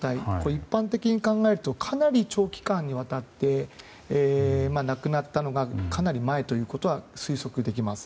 一般的に考えるとかなり長期間にわたって亡くなったのがかなり前ということは推測できます。